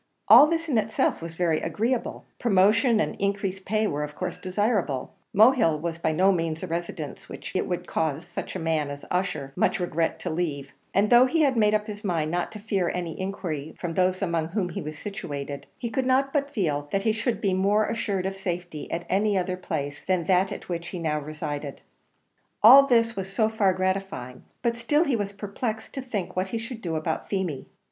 All this in itself was very agreeable; promotion and increased pay were of course desirable; Mohill was by no means a residence which it would cause such a man as Ussher much regret to leave; and though he had made up his mind not to fear any injury from those among whom he was situated, he could not but feel that he should be more assured of safety at any other place than that at which he now resided. All this was so far gratifying, but still he was perplexed to think what he should do about Feemy.